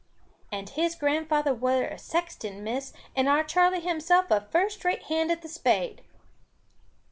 "And his grandfather were a sexton, Miss; and our Charley himself a first rate hand at the spade."